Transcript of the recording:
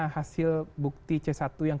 hasil bukti c satu yang